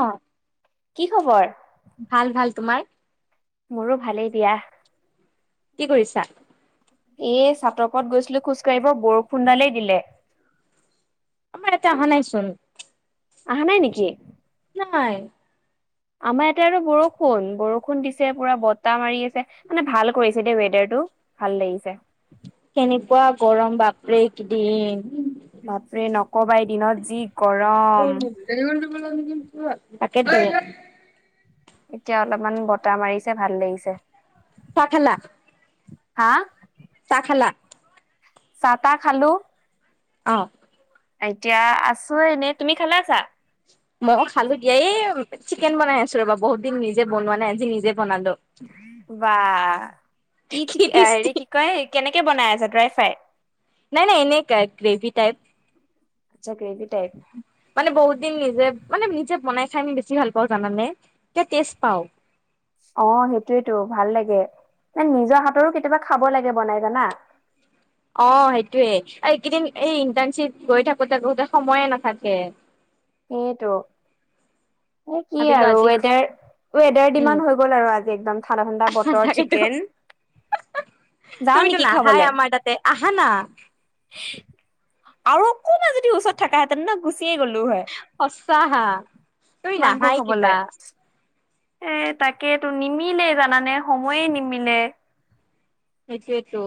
অ কি খবৰ ভাল ভাল তোমাৰ মোৰো ভালেই দিয়া কি কৰিছা এ চাটৰপত গৈছিলো খোজকাাঢ়িব বৰষুডালেই দিলে আমাৰতে অহা নাইচোন অহা নাই নেকি নাই আমাৰ ইয়াতে আৰু বৰষুণ বৰষুণ দিছে পুৰা বতাহ মাৰি আছে মানে ভাল কৰিছে দেেই ৱেডাৰ টো ভাল লাগিছে সনেকুৱা গৰম বাপৰেকেইদিন কবাৰ দিনত যি গৰম। ে এতিয়া অলপমান বতাহ মাৰিছে ভাল লাগিছে পখেলা হা চাখেলা চ তাহ খালো অ এতিয়া আছোে এনে তুমি খালা আছা মই খালো দিয়া এই চিকেন বনাই আছো ৰবা বহুত দিন নিজে বনোৱা নাই আজি নিজে বনালো বা কি হেৰি কি কয় কেনেকে বনাই আছছে ড্ৰাই ফ্ৰাই নাই নাই এনেই ক গ্ৰেভি টাইপ আচ্ছা কেেইতিটাইপ মানে বহুত দিন নিজে মানে নিজে বনাই খাই আমি বেছি ভাল পাওঁ জানানে এ েষ্ট পাও অ সেইটোয়েতো ভাল লাগে ম নিজৰ হাতৰো কেতিয়াবা খাব লাগে বনাই জানা অ সেইটোোৱে এইকেইদিন এই ইণ্টাৰ্ণশ্বিপ গৈ থাকোতে বোতে সময়ে নাথাকে সটোো এ কি ভাবিলো আৰু আজি ৱেডাৰ ৱেডাৰ উম দিমান হৈ গ'ল আৰু আজি একদম ঠাণ্ডা ঠাণ্ডা বতৰ চিকেন যাও তুমিিতো নেকি নাহাই খাবলে আমাৰ তাতে আহা না আৰু অকমান যদি ওচৰত থাকাহে তেনে ন গুচিয়ে গ'লো হয়। সচাহা তুমি মাংস নাহাই খাবলে কিবা এ তাকে তো নিমিলে জানানে সময়ে নিমিলে সেইটোয়েতো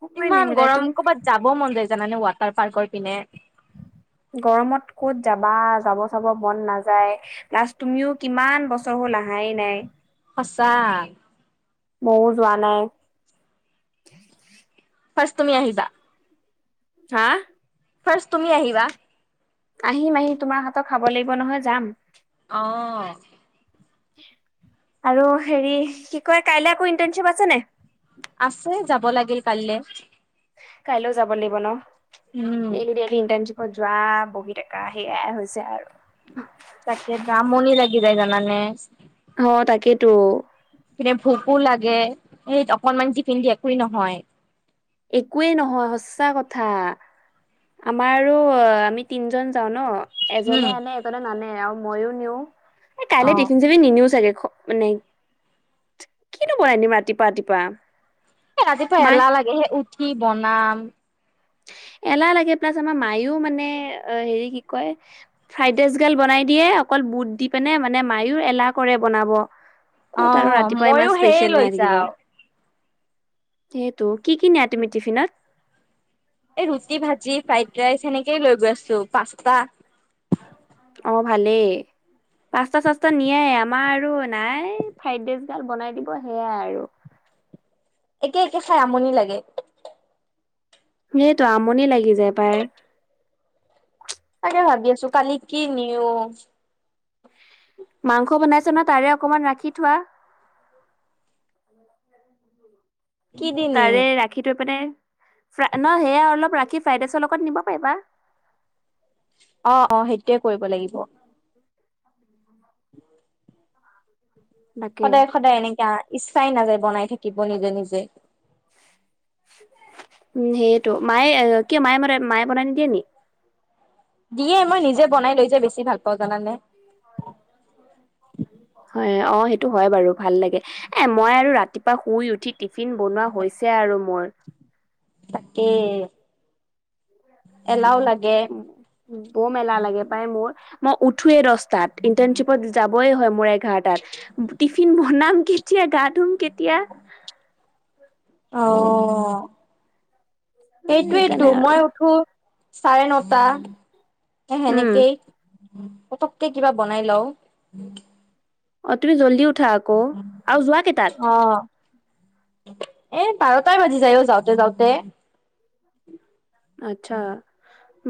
সময় ইমান নিমিলে গৰম তুম কৰ'বাত যাব মন যায় জানানে ৱ তাৰ পাৰ্কৈ পিনে উ গৰমত ক'ত যাবা যাব চাব মন নাযায় ল্লাষ্ট তুমিও কিমান বছৰ হ'ল কহাই নাই সচাৰ মজোৱাানাই ফছ তুমি আহিিবা হা ফাৰ্ষ তুমি আহিবা আহিম আহি তোমাৰ হাতত খাব লাগিব নহয় যাম অ আৰু হেৰি কি কয় কাই আকৌ ইণ্টাৰণশ্বিপ আছে ন আছে যাব লাগিল কাইলৈ কাইলৈও যাব লাগিব ন উম ডেইলি ডেইলটাৰ যোৱা বহীতেকা সেয়াই হৈছে আৰু তাকেেত্ৰ মনীীৰাগদায় নানে অ তাকেইেতো পিনে ভোকো লাগে সেই অকনমান িফিন দি একো নহয় একোৱেই নহয় সচা কথা আমাৰ আমি তিনজন যাও ন উম এজনে আনে এজনে নানে আৰু মইো নিও এ অ কাইলে টিফিন চিফিন নিনিও চাগে মানে কিনো বনাই দিম ৰাতিপা ৰাতিপা এ ৰাতিপুৱা এলাহ লাগে, সে উঠি বনাম। উ এলাহ লাগে প্লাছ আমাৰ মায়ও মানে হেৰি কি কয় ফ্ৰাইড ৰাইচ গাল বনাই দিয়ে অকল অ বুট দি পিনে মানে মায়ও এলাহ কৰে বনাব ক'ত আৰু অ', ৰাতিপুৱা ইমান মইয়ো সেয়ে স্পেচিয়েল লৈ বনাই থাকিব যাওঁ। সেইটো কি কিিনিয়টমি টফিনত এই ৰুটি ভাজি ফ্ৰাইড ৰাইচ সনেকেই লৈ গৈ আছো পচ্তা অ ভালেই পাঁচ্তা চাস্তা নিয়াই আমাৰ আৰু নাই ফ্ৰাইড ৰাইচ গাল বনাই দিব সেয়াই আৰু একে একে খাই আমনি লাগে সেইটোো আমনি লাগি যায় পাই তাকে ভাবি আছোঁ, কালি কি নিও। মাংস বনাইছোঁ ন, তাৰে অকমান ৰাখি থোৱা। কি দি নিম তাৰে ৰাখি থৈ পিনে। ন সেয়া অলপ ৰাখি ফ্ৰাইড ৰাইচৰ লগত নিব পাৰিবা। অ' অ' সেইটোৱে কৰিব লাগিব। তাকে সদায় সদায় এনেকা, ইচ্ছাই নাযায় বনাই থাকিব নিজে নিজে। উম্, সেইটো মায়ে কিয় মায়ে, মায়ে বনাই নিদিয়ে নি। দিয়ে, মই নিজে বনাই লৈ যে বেছি ভাল পাওঁ জানানে। হয়, অ' সেইটো হয় বাৰু ভাল লাগে, এ মই আৰু ৰাতিপুৱা শুই উঠি টিফিন বনোৱা হৈছে আৰু মোৰ। তাকেই। উম্, বৰ মেলা লাগে পাই মোৰ। মই উঠোৱেই দহটাত, ইন্টাৰ্নশ্বিপত যাবই হয় মোৰ এঘাৰটাত। টিফিন বনাম কেতিয়া, গা ধুম কেতিয়া? অ', সেইটোৱেইটো সেইকাৰণে আৰু মই উঠো চাৰে নটা, এই উম সেনেকেই। পতককে কিবা বনাই লওঁ অ', তুমি জল্দি উঠা আকৌ আৰু যোৱা কেইটাত। অ'। এ বাৰটাই বাজি যায়, অ' যাওঁতে যাওঁতে। আচ্ছা,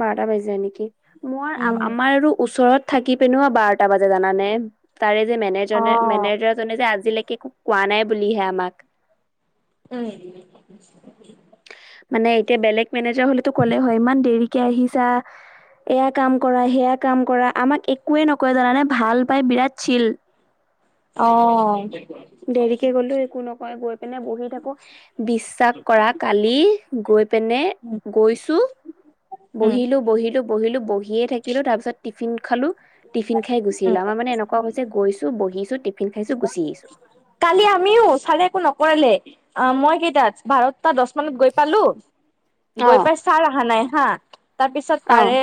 বাৰটাই বাজি যায় নেকি? মোৰ উম আমাৰ আৰু ওচৰত থাকি পেনো বাৰটা বাজে জানানে, তাৰে যে মেনেজ অ' মেনেজাৰ জনে যে আজিলৈকে একো কোৱা নাই বুলিহে আমাক। উম্। মানে এতিয়া বেলেগ মেনেজাৰ হ'লেতো ক'লে হয়, ইমান দেৰিকে আহিছাঁ। এয়া কাম কৰা, সেয়া কাম কৰা, আমাক একোৱে নকয় জানানে। ভাল পাই বিৰাট চিল অ', দেৰিকে গ'লেও একো নকয়, গৈ পিনে বহি থাকো বিশ্বাস কৰা। কালি গৈ পিনে উম গৈছোঁ, উম বহিলোঁ বহিলোঁ বহিলোঁ বহিয়ে থাকি থাকিলো, তাৰপিছত টিফিন খালো টিফিন খাই গুচি উম আহিলোঁ। আমাৰ মানে এনেকুৱা হৈছে গৈছোঁ বহিছোঁ টিফিন খাইছোঁ। গুছি আহিছোঁ। কালি আমিও চাৰে একো নকৰালে অ', মই কেইটাত বাৰতাত। ত দহ মানত গৈ পালোঁ। অ গৈ পাই ছাৰ অহা নাই হা, তাৰপিছত অ তাৰে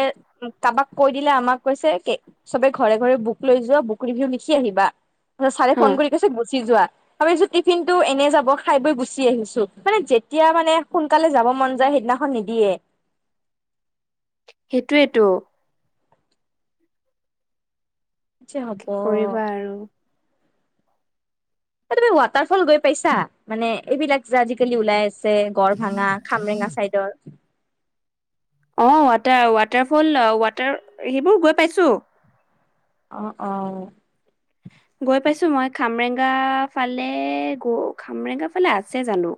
তাৰপা কৈ দিলে, আমাক কৈছে চবে ঘৰে ঘৰে বুক লৈ যোৱা বুক ৰিভিউ লিখি আহিবা। ছাৰে হা ফোন কৰি কৈছে গুচি যোৱা। ভাবিছো টিফিন টো এনে যাব খাই বৈ গুচি আহিছো মানে যেতিয়া মানে সোনকালে যাব মন যায়। সিদিনাখন নিদিয়ে। সেইটোৱেইেতো। কি যে হ'ব। কৰিবা আৰু এই তুমি ৱাটাৰ ফল গৈ পাইছাঁ, মানে এইবিলাক যে আজিকালি ওলাই আছে। ছে গড় ভাঙা খামৰেঙা চাইডৰ। অ', ৱাটাৰ ৱাটাৰ ফল ৱাটাৰ সেইবোৰ গৈ পাইছোঁ। অ', অ' গৈ পাইছোঁ মই, খামৰেংগা ফালে গ খামৰেংগা ফালে আছে জানোঁ।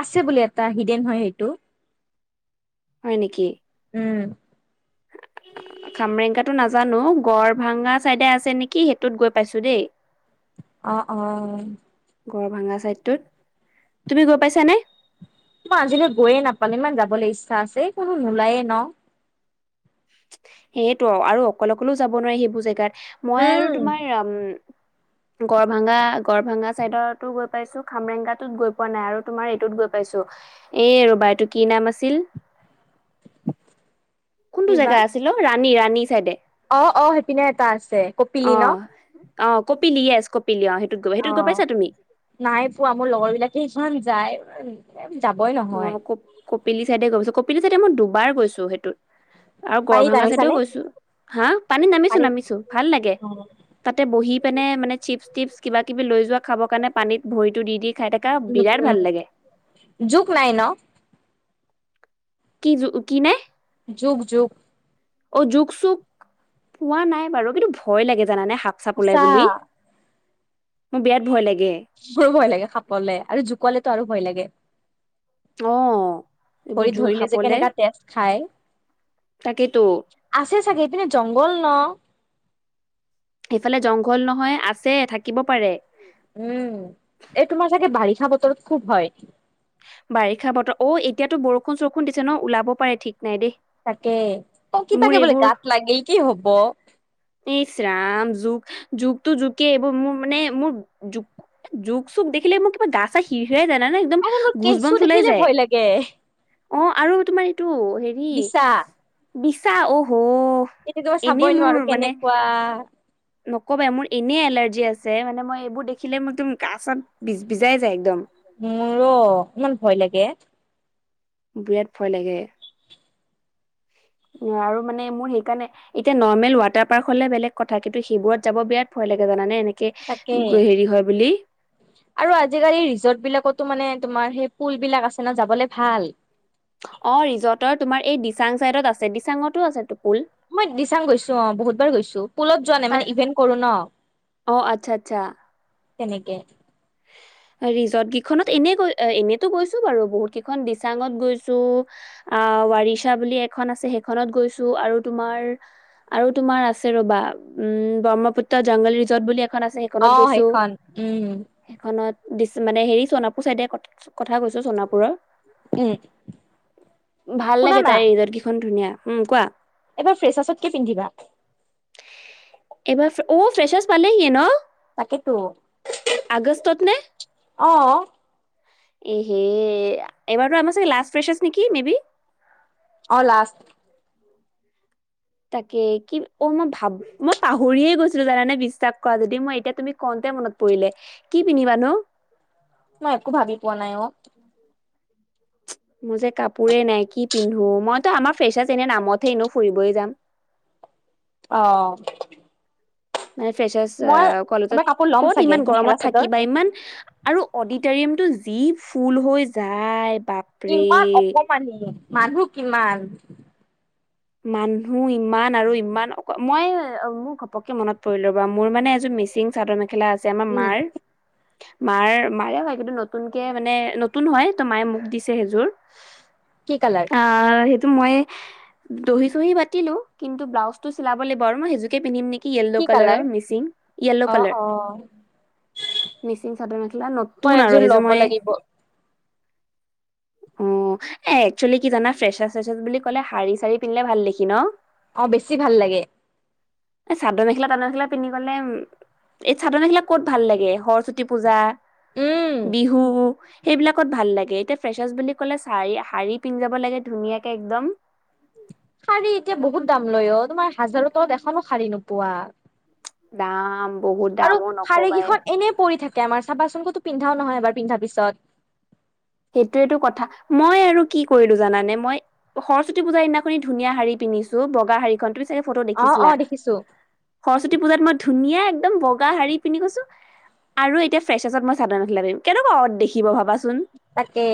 আছে বুলে এটা হিডেন হয় সেইটো। হয় নেকি? উম্। খামৰেঙগাটো নাজানো গড়ভাঙা চাইডে আছে নেকি সেইটোত গৈ পাইছে দেই। অ', অ'। গড় ভাঙা চাইডটোত তুমি গৈ পাইছানে। মই আজিলৈ গৈয়ে নাপালো ইমান যাবলৈ ইচ্ছা আছে কোনো নোলায়ে ন। সেইয়েতো আৰু অকলে, অকলেও যাব নোৱাৰে সেইবোৰ জেগাত মই উম আৰু তোমাৰ উম। গড়ভাঙা, গড়ভাঙা চাইডতো গৈ পাইছো খামৰেংগাতোত গৈ পোৱা নাই আৰু তোমাৰ এইটোত গৈ। পাইছো এ ৰ'বা এইটো কি নাম আছিল। কোনটো কিবা জেগা আছিল অ, ৰাণী, ৰাণী চাইডে। অ', অ', সেইপিনে এটা আছে অ কপিলি ন। অ, কপিলি ইয়েছ কিপলি অ, নাই পোৱা মোৰ লগৰ বিলাকে সিখন যায়। যাবই অ, নহয় কপিলি চাইডে গৈছো কপিলি চাইডে মই দুবাৰ গৈছো সেইটোত আৰু গড় পানীত ভাঙা চাইডেও নামিছানে গৈছো হা পানীত নামিছো, নামিছো ভাল লাগে অ তাতে বহি পিনে মানে চিপছ, টিপছ কিবা, কিবি লৈ যোৱা খাবৰ কাৰণে পানীত ভৰিতো দি, দি খাই থাকা উম বিৰাট ভাল উম লাগে। জোক নাই ন কি, কি নাই। যুক, যুক অ, জুক, চুক পোৱা নাই বাৰু কিন্তু ভয় লাগে জানানে। সাপ, চাপ ওলাই বুলি সঁচা মোৰ বিৰাট ভয় লাগে। মোৰ ভয় লাগে সাপলে আৰু জুকলেতো আৰু ভয় লাগে। অ এইবোৰ ভৰিত জোক ধৰিলে যে সাপলে কেনেকা তেজ খায়। তাকেইতো আছে চাগে ইপিনে জংঘল ন। সেইফালে জংঘল নহয় আছে থাকিব পাৰে। উম, এই তোমাৰ চাগে বাৰিষা বতৰত খুব ভয়। বাৰিষা বতৰ অ, এতিয়াতো বৰষুণ, চৰষুণ দিছে ন ওলাব পাৰে ঠিক নাই দেই তাকে তো মোৰ কিবাকে বোলে গাত লাগিল কি হ'ব। ইছ ৰাম জুক টু জুকেই এইবোৰ মোৰ মানে মোৰ জুক, চুক দেখিলে মোক কিবা গা, চা হিৰ, হিৰাই যায় জানানে। আৰে মোৰ কেঁচু দেখিলে ভয় লাগে। অ, আৰু তোমাৰ এইটো হেৰি বিছা বিচা ও এতিয়া টো মই চাবই নোৱাৰো কেনেকুৱা নকবা মোৰ এনেই এলাৰ্জি আছে মানে মই এইবোৰ দেখিলে মোৰ টো গা চা ভিজ ভিজাই যায় একদম মোৰো অকমান ভয় লাগে। বিৰাট ভয় লাগে। অ, আৰু মানে মোৰ সেইকাৰণে এতিয়া নৰ্মেল ৱাটাৰ পাৰ্ক হলে বেলেগ কথা কিন্তু সইবোৰত যাব বিৰাট ভয় লাগে। জানানে এনে তাকে আৰু আজিকালি ৰিজৰ্ট বিলাকতো মানে তোমাৰ সেই পুল বিলাক আছে না যাবলে ভাল। চাঙ চাইডত আছে, দিচাঙতো আছে তোক মই দিচাং গৈছো অ, বহুতবাৰ গৈছো পুলত যোৱা নাই তাৰ মানে ইভেন্ট কৰো ন। অ আচ্ছা, আচ্ছা। তেনেকে ৰিজৰ্ট কেইখনত এনেই গৈ, অ, এনেতো গৈছো বাৰু বহুত কেইখন দিচাঙত গৈছো, আহ। ৱাৰিছা বুলি এখন আছে সেইখনত গৈছো আৰু তোমাৰ আৰু তোমাৰ আছে ৰ'বা ব্ৰহ্মপুত্ৰ জংগল ৰিজৰ্ট বুলি এখন আছে সেইখনত অ গৈছো। সেইখন উম সেইখনত মানে হেৰি সোণা পুৰ চাইডে কথা কৈছো সোনা উম পুৰত ভাল শুনা লাগে না তাই ৰিজৰ্ত কেইখন ধুনীয়া। উম, কোৱা? এইবাৰ ফ্ৰেচাছত কি পিন্ধিবা এইবাৰ অ ফ্ৰেছাছ পালেহি ন তাকেইেতো আগসত নে এহে এবাৰতো আমাৰ চাগে লাষ্ট ফ্ৰেছ আছ নেকি মে বি অ লাষ্ট তাকে কি অ মই ভাব মই পাহৰিয়ে গৈছিলো জানানে বিশ্বাস কৰা যদি মই এতিয়া তুমি ক মনত পৰিলে কি পিন্ধিবা নো মই একো ভাবি পোৱা নাই অ মোৰ যে কাপোৰে নাই কি পিন্ধো মইতো আমাৰ ফেচ এনে নামতহে এনেও ফুৰিবই যাম [inaudible] অ মানে ফ্ৰেচছ মই কলত এবাৰ কাপোৰ ল'ম ক'ত চাগে ইমান মেখেলা গৰমত চাদৰ থাকিবা ইমান আৰু অডিটৰিয়ামটো যি ফুল হৈ যায় ইমান বাপৰে অপমানেই মানুহ কিমান মানুহ ইমান আৰু ইমান অ মই মোৰ ঘপকে মনত পৰিলো বা মোৰ মানে এযোৰ মিচিং চাদৰ মেখেলা আছে আমাৰ উম মাৰ মাৰ মাৰে হয় কিন্তু নতুনকে মানে নতুন হয় ত মায়ে মোক দিছে সেইযোৰ কি কালাৰ অ সেইটো মই দহি চহি মাতিলো কিন্তু ব্লউজ টো চিলাবলৈ বাৰ মইেইজোককেিন্ধিম নেকি কি য়্ল' কালাৰ মিচিং য়্ল' অ কালাৰ অ মিচিং চাদৰ মেখেলা মই নতুন আৰু একযোৰ সেইযোৰ ল'ব মই লাগিব অ এ একচুৱেলি কি জানা ফ্ৰেচছ চেচছ বুলি ক'লে শাৰী চাৰি পিন্ধে ভাল দেেখি ন অ বেছি ভাল লাগে এই চাদৰ মেখেলা তাদৰ মেখেলা পিন্ধি গ'লে এই চাদনাবিলাক ক'ত ভাল লাগে সৰস্বতী পূজা উম বিহু সেইবিলাকত ভাল লাগে এতিয়া ফ্ৰেচাৰছ বুলি ক'লে শাৰী শাৰী পিন্ধ যাব লাগে ধুনীয়াকে একদম শাৰী এতিয়া বহুত দাম লয় অ তোমাৰ হাজাৰৰ তত এখনো শাাৰী নোপোৱা দাম বহুত দাম আৰু অ শাৰেী নকবাই কেইখন এনেই পৰি থাকে তে আমাৰ চাবাচোন কতো পিন্ধাও নহয় এবাৰ পিন্ধা পিছত সেইটোয়টো কথা মই আৰু কি কৰিলো জানানে মই সৰস্বতী পূজা সদিনাখনি ধুনীয়া শাৰী প বগাুি ফটো অ দেখি অ দেখিছো প মই ধুনীয়া একদম বগা শড়ী পিন্ধি গৈছো আৰু এতিয়া ফ্ৰেচাছত মই চাদনখিলাবিম কেনেকুৱা দেখিব ভাবাচোন তাকে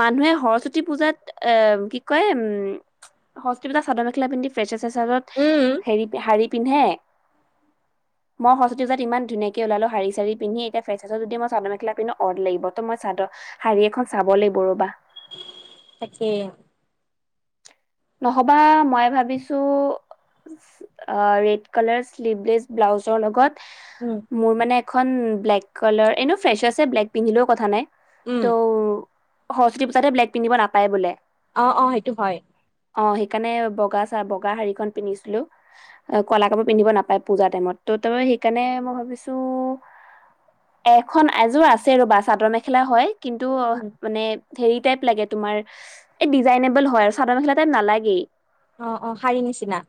মানুহে সৰস্বতী পূজাত এ কি কয় উম সস্তিপঠা চাদৰ মেখেলা পিন্ধি ফ্ৰেচাৰ চেচাৰত উম হেৰি শাৰী পিন্ধে অ মইস্বীজাতমান ধুনীয়াক ওলালো শাৰীাৰি পিন্ধি এয়াোইছ যদি ম চাদ মেখেলা পন্ধ অ লিব ত মইাদৰ শাৰী এখন চাব লাগিব ৰ'বা। তাকয় নহবা মই ভাবিছো ৰেড কালাৰ শ্লিভলেছ ব্লাউজৰ লগত উম মোৰ মানে এখন ব্লেক কালাৰ এনেো ফ্ৰেচ আছে ব্লেক পিন্ধিলেও কথা নাই উম ত' সৰস্বতী পূজাতে ব্লেক পিন্ধিব নাপায় বোলে অ অ সেইটো হয় অ সেইকাৰণে বগা চা বগা শাড়ীখন পিন্ধিছিলো অ কলা কাপোৰ পিন্ধিব নাপায় পূজা টাইমত ত' তাৰাবে সেইকাৰণে মই ভাবিছো এখন এযোৰ আছে ৰবা চাদৰ মেখেলা হয় কিন্তু উম মানে হেৰি টাইপ লাগে তুমাৰ এই ডিজাইনেবল হয় আৰু চাদৰ মেখেলা নালাগে। অ', অ', শাৰীৰ নিচিনা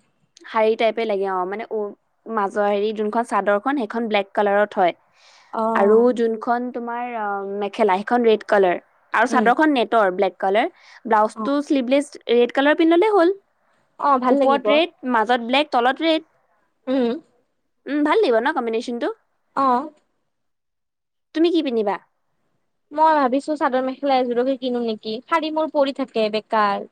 শাৰী টাইপে লাগে অঁ, মানে উ, মাজৰ হেৰি যোনখন চাদৰখন সেইখন ব্লেক কালাৰত হয়। অ আৰু যোনখন তোমাৰ অঁ, মেখেলা সেইখন ৰেড কালাৰ। আৰু উম চাদৰখন নেটৰ ব্লেক কালাৰ, অ ব্লাউজটো শ্লিভলেছ ৰেড কালাৰ পিন্ধলে হ'ল। অ ভাল ওপৰত লাগিব ৰেড, মাজত ব্লেক, তলত ৰেড। উম উ, ভাল লাগিব ন, কম্বিনেচনটো? অঁ। তুমি কি পিন্ধিবা? মই ভাবিছো চাদৰ মেখেলা এযোৰকে কিনো নেকি, শাৰী মোৰ পৰি থাকে বেকাৰ।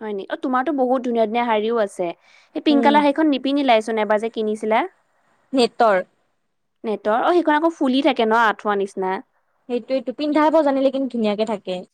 হয় নেকি, অঁ, তোমাৰটো বহুত ধুনীয়া ধুনীয়া শাৰীও আছে, সেই পিংক উম কালাৰৰ শাৰীখন নিপিন্ধিলাই। চোন এবাৰ যে কিনিছিলে নেতৰ। নেটৰ অ', সেইখন আকৌ ফুলি থাকে ন' আঠুৱা নিচিনা। সেইটোয়েটো পিন্ধাব জানিলে কিন্তু ধুনীয়াকে থাকে।